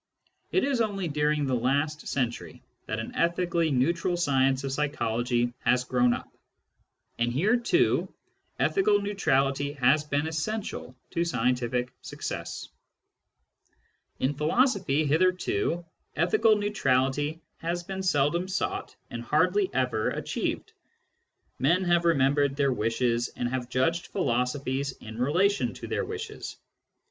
It is only during the last century that an ethically neutral science of psychology has grown up ; and here too ethical neutrality has been essential to scientific success. In philosophy, hitherto, ethical neutrality has been Digitized by Google 28 SCIENTIFIC METHOD IN PHILOSOPHY seldom sought and hardly ever achieved. Men have remembered their wishes, and have judged philosophies in relation to their wishes.